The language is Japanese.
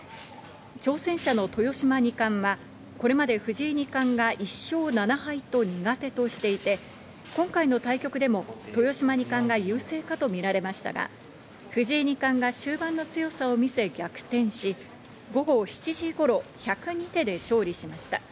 挑戦者の豊島二冠はこれまで藤井二冠が１勝７敗と苦手としていて、今回の対局でも豊島二冠が優勢かと見られましたが藤井二冠が終盤の強さを見せ逆転し、午後７時頃、１０２手で勝利しました。